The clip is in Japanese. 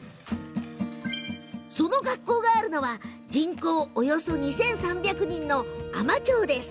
その学校があるのは人口およそ２３００人の海士町です。